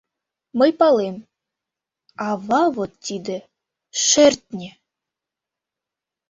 Мый палем: ава вот тиде — шӧртньӧ.